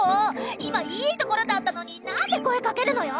今いいところだったのになんで声かけるのよ！